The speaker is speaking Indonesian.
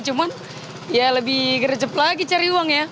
cuman ya lebih gerejep lagi cari uang ya